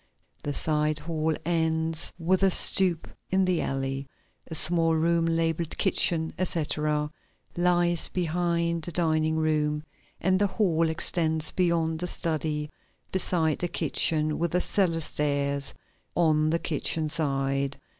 The side hall ends with a stoop in the alley. A small room labeled kitchen, etc. lies behind the dining room and the hall extends beyond the study beside the kitchen with the cellar stairs on the kitchen side.